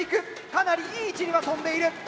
かなりいい位置には飛んでいる。